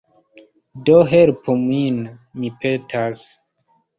Do helpu min, mi petas.